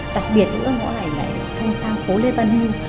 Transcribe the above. đặc biệt nữa ngõ này lại thông sang phố lê văn hưng